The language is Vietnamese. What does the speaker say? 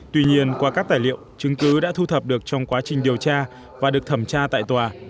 tuy nhiên qua các tài liệu chứng cứ đã thu thập được trong quá trình điều tra và được thẩm tra tại tòa